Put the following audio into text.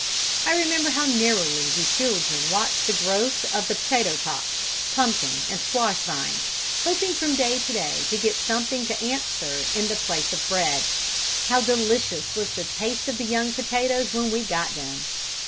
I remember how narrowly we children watched the growth of the potato tops, pumpkin, and squash vines, hoping from day to day to get something to answer in the place of bread. How delicious was the taste of the young potatoes, when we got them!